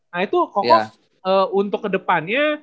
nah itu koko untuk kedepannya